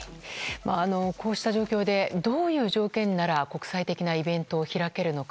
こうした状況でどういう条件なら国際的なイベントを開けるのか。